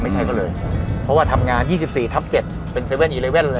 ไม่ใช่ก็เลยเพราะว่าทำงาน๒๔ทับ๗เป็น๗๑๑เลย